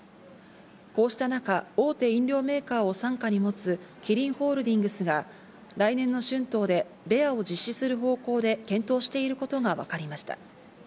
こうした中、大手飲料メーカーを傘下に持つキリンホールディングスが来年の春闘でベアを実施する方向で検討していることがわかりました。